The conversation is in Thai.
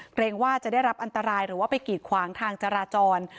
เกรงว่าจะได้รับอันตรายหรือว่าไปกีดขวางทางจราจร